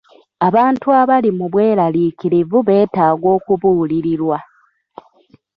Abantu abali mu bweraliikirivu beetaaga okubuulirirwa.